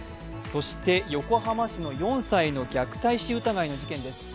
そして横浜市の４歳の虐待死疑いの事件です。